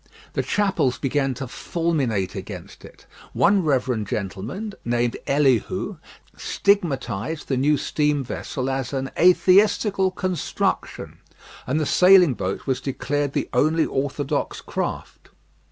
The chapels began to fulminate against it. One reverend gentleman, named Elihu, stigmatised the new steam vessel as an "atheistical construction," and the sailing boat was declared the only orthodox craft.